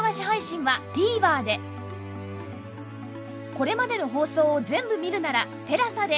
これまでの放送を全部見るなら ＴＥＬＡＳＡ で